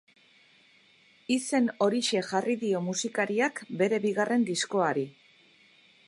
Izen horixe jarri dio musikariak bere bigarren diskoari.